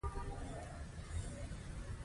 خو د نړۍ په وېشلو ستونزې حل نه شوې